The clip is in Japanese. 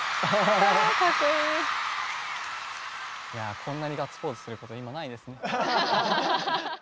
こんなにガッツポーズすること今ないですね。